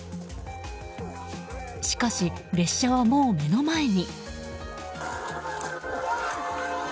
しかし、列車はもう目の前に。